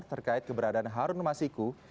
terkait keberadaan harun masiku